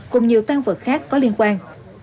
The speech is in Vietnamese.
cùng nhiều căn vật khác có liên quan